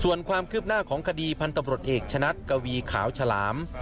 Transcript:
ส่วนความคืบหน้าของคดีพันธุ์ตำรวจเอกชนัดกวีขาวฉลาม